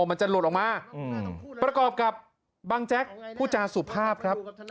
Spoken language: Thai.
มันจะหลุดออกมาประกอบกับบังแจ๊กผู้จาสุภาพครับ